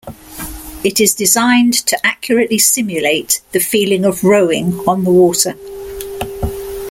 It is designed to accurately simulate the feeling of rowing on the water.